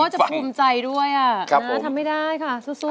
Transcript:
เราก็จะภูมิใจด้วยนะทำให้ได้ค่ะสู้